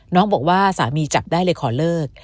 น้องบอกว่าสามีจับได้เลยขอเลิก